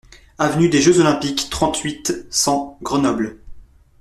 Avenue des Jeux Olympiques, trente-huit, cent Grenoble